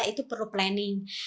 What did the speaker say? itu perlu planning